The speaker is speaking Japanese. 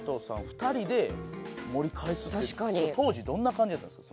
２人で盛り返すって当時どんな感じやったんですか？